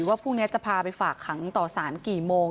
ว่าพรุ่งนี้จะพาไปฝากขังต่อสารกี่โมง